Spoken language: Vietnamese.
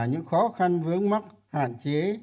những khó khăn vướng mắc hạn chế